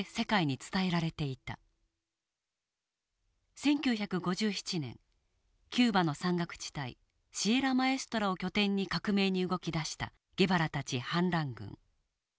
１９５７年キューバの山岳地帯シエラマエストラを拠点に革命に動き出したゲバラたち反乱軍。